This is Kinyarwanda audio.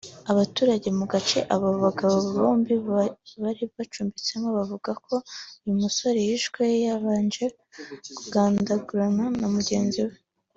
Abatuye mu gace aba bagabo bombi bari bacumbitsemo bavuze ko uyu musore yishwe yabanje kugundagurana na mugenzi we